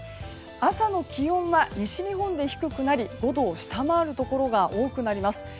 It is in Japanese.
朝の気温は西日本で低くなり５度を下回るところが多くなります。